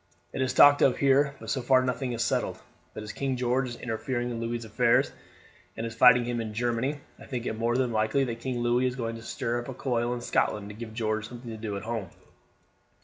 "It is talked of here, but so far nothing is settled; but as King George is interfering in Louis's affairs, and is fighting him in Germany, I think it more than likely that King Louis is going to stir up a coil in Scotland to give George something to do at home."